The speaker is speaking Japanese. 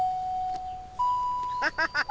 アハハハ！